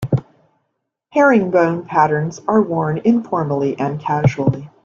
Herringbone patterns are worn informally and casually.